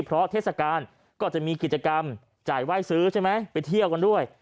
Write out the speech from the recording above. เพราะเทศกาลก็จะมีกิจกรรมจ่ายไหว้ซื้อใช่ไหมไปเที่ยวกันด้วย